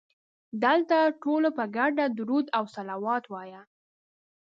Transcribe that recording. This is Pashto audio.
دلته ټولو په ګډه درود او صلوات وایه.